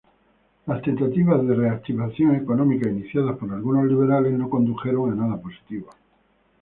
Las tentativas de reactivación económica iniciadas por algunos liberales no condujeron a nada positivo.